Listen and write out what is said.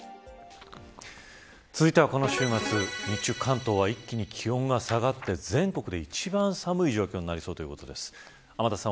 続いては、この週末日中関東は一気に気温が下がって全国で一番寒い状況になりそうということです。